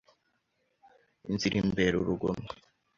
Inzira imbera uruguma